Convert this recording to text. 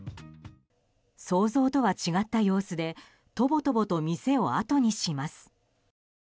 想像とは違った様子でとぼとぼと店をあとにします。